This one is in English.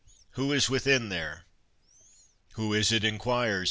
who is within there?" "Who is it enquires?"